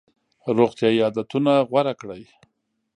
روغتیایي عادتونه غوره کړئ.